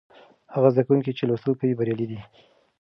هغه زده کوونکي چې لوستل کوي بریالي دي.